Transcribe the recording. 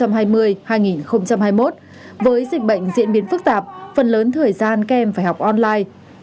với dịch bệnh diễn biến phức tạp phần lớn thời gian kèm phải học online